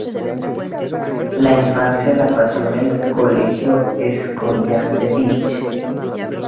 La infancia la pasó en el Colegio Escorial de Vich.